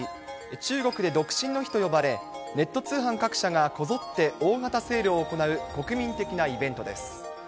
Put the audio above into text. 中国で独身の日と呼ばれ、ネット通販会社がこぞって大型セールを行う国民的なイベントです。